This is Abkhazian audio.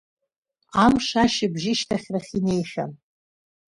Амш ашьыбжьышьҭахьрахь инеихьан.